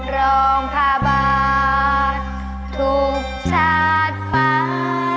รองภาวะทุกชาติไป